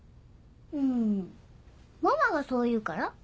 んママがそう言うから。